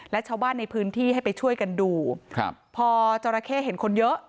และชาวบ้านในพื้นที่ให้ไปช่วยกันดูครับพอจราเข้เห็นคนเยอะ